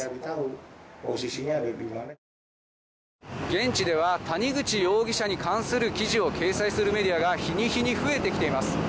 現地では谷口容疑者に関する記事を掲載するメディアが日に日に増えてきています。